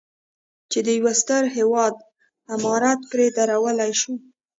چې د یو ستر هېواد عمارت پرې درولی شو.